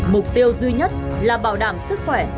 mục tiêu duy nhất là bảo đảm sức khỏe